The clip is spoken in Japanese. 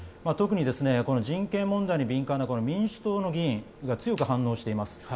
特に人権問題に敏感な民主党の議員が強く反応しています。